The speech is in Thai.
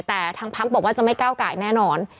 แต่ทางพักบอกว่าจะไม่ก้าวไก่แน่นอน